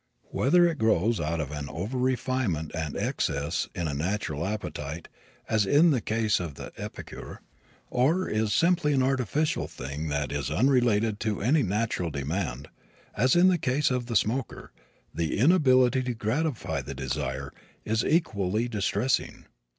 Whether it grows out of an over refinement and excess in a natural appetite, as in the case of the epicure, or is simply an artificial thing that is unrelated to any natural demand, as in the case of the smoker, the inability to gratify the desire is equally distressing.